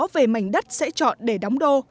về mảnh đất sẽ chọn để đóng đô